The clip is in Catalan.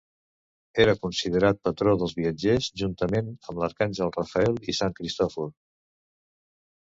Era considerat patró dels viatgers juntament amb l'arcàngel Rafael i Sant Cristòfor.